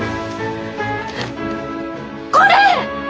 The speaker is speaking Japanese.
これ！